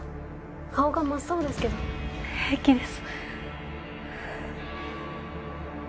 顔が真っ青ですけど平気です